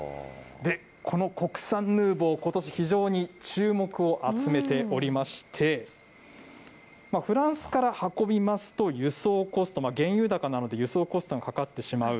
この国産ヌーボー、ことし非常に注目を集めておりまして、フランスから運びますと、輸送コスト、原油高なので、輸送コストがかかってしまう。